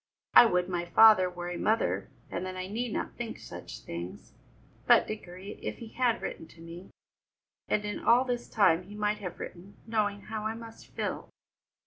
"I would my father were a mother, and then I need not think such things. But, Dickory, if he had but written to me! And in all this time he might have written, knowing how I must feel."